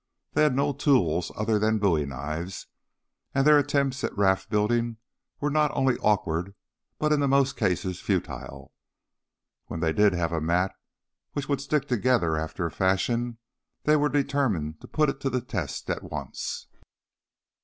They had no tools other than bowie knives, and their attempts at raft building were not only awkward but in the most cases futile. When they did have a mat which would stick together after a fashion, they were determined to put it to the test at once.